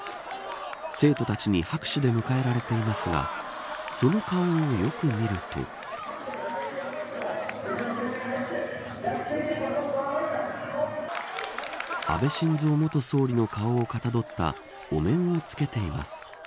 生徒たちに拍手で迎えられていますがその顔をよく見ると安倍晋三元総理の顔をかたどったお面をつけています。